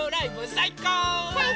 さいこう！